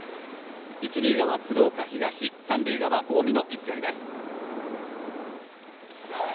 一塁側、鶴岡東三塁側、近江の一戦です。